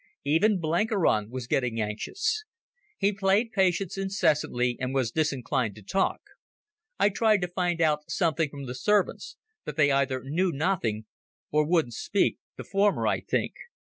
Even Blenkiron was getting anxious. He played Patience incessantly, and was disinclined to talk. I tried to find out something from the servants, but they either knew nothing or wouldn't speak—the former, I think.